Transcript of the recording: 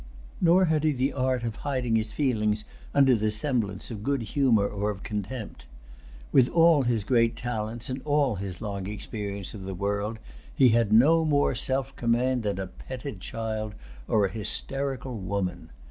Nor had he the art of hiding his feelings under the semblance of good humor or of contempt. With all his great talents, and all his long experience of the world, he had no more self command than a petted child or an hysterical woman.